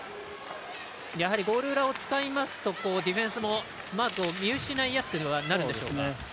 やはりゴール裏を使いますとディフェンスもマークを見失いやすくなるでしょうか。